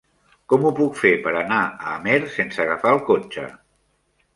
Com ho puc fer per anar a Amer sense agafar el cotxe?